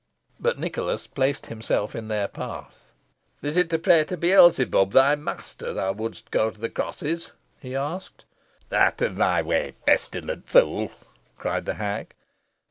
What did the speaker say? But Nicholas placed himself in their path. "Is it to pray to Beelzebub, thy master, that thou wouldst go to the crosses?" he asked. "Out of my way, pestilent fool!" cried the hag.